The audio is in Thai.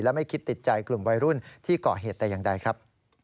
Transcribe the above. ไม่คิดติดใจกลุ่มวัยรุ่นที่เกาะเหตุแต่อย่างใดครับ